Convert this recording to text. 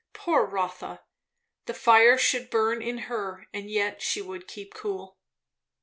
Poor Rotha! The fire should burn in her, and yet she would keep cool!